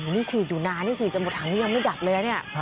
นี่ฉีดอยู่นานนี่ฉีดจนหมดถังนี้ยังไม่ดับเลยนะเนี่ย